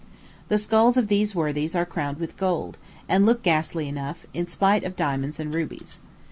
The skulls of these worthies are crowned with gold, and look ghastly enough, in spite of diamonds and rubies.